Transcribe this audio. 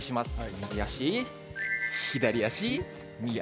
右足、左足、右足。